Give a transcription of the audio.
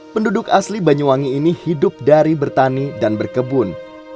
penduduk asli banyuwangi ini hidup dari bertani dan berkebun